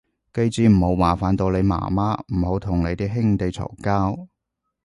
記住唔好麻煩到你媽媽，唔好同你啲兄弟嘈交